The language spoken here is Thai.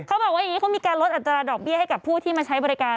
เขาบอกว่าอย่างนี้เขามีการลดอัตราดอกเบี้ยให้กับผู้ที่มาใช้บริการ